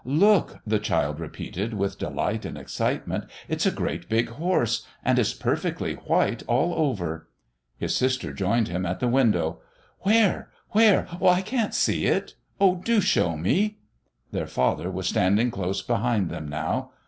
"Look!" the child repeated with delight and excitement. "It's a great big horse. And it's perfectly white all over." His sister joined him at the window. "Where? Where? I can't see it. Oh, do show me!" Their father was standing close behind them now.